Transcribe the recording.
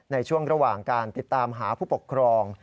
ในช่วงระหว่างการติดตามหาผู้ปกครอง